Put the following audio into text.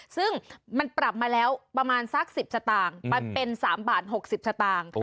ซึ่งมันปรับมาแล้วประมาณสัก๑๐สตางค์เป็น๓บาท๖๐สตางค์